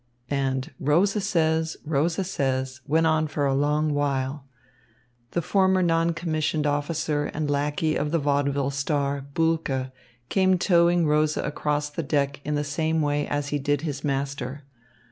And "Rosa says," "Rosa says," went on for a long while. The former non commissioned officer and lackey of the vaudeville star, Bulke, came towing Rosa across the deck in the same way as he did his master.